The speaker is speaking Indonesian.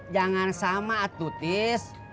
jangan sama atutis